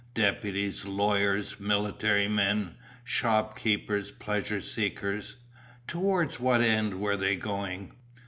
deputies, lawyers, military men, shop keepers, pleasure seekers towards what end were they going?